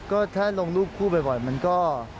ก็แค่ลงรูปคู่บ่อยมันก็